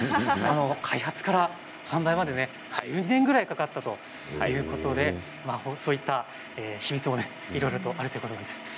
開発から販売まで１０年ぐらいかかったということで、そういった秘密もいろいろとあるということです。